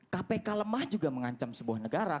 kpk lemah juga mengancam sebuah negara